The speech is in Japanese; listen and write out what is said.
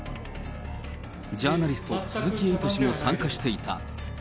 ジャーナリスト、鈴木エイト氏も参加していた。